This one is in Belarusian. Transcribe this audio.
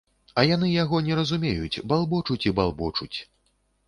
А яны яго не разумеюць, балбочуць і балбочуць.